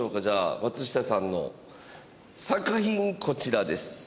松下さんの作品こちらです。